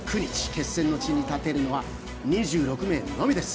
決戦の地に立てるのは２６名のみです。